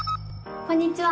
こんにちは。